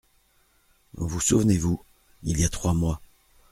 Vous souvenez-vous, il y a trois mois…